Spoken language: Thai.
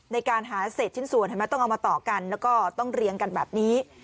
ในการหาเศษชิ้นส่วนเห็นไหมต้องเอามาต่อกันแล้วก็ต้องเรียงกันแบบนี้